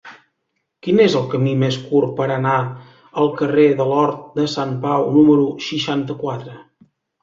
Quin és el camí més curt per anar al carrer de l'Hort de Sant Pau número seixanta-quatre?